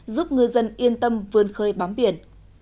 giúp ngư dân yên tâm vươn khơi bám biển